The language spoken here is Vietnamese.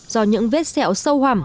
do những vết xẹo sâu hầm